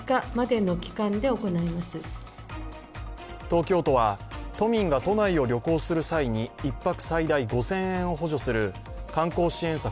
東京都は都民が都内を旅行する際に１泊最大５０００円を補助する観光支援策